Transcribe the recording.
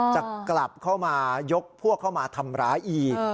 จะกลับเข้ามายกพวกเข้ามาทำร้ายอีก